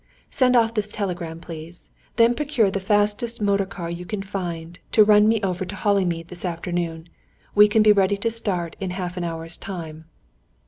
"Send off this telegram, please. Then procure the fastest motor car you can find, to run me over to Hollymead this afternoon. We can be ready to start in half an hour's time."